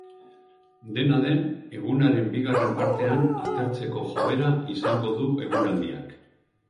Dena den, egunaren bigarren partean atertzeko joera izango du eguraldiak.